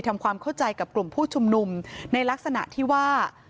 ทำความเข้าใจกับกลุ่มผู้ชุมนุมในลักษณะที่ว่า